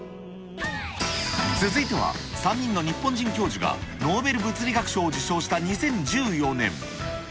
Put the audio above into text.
続いては、３人の日本人教授がノーベル物理学賞を受賞した２０１４年。